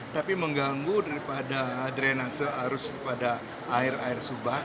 tapi mengganggu daripada drenase arus daripada air air subak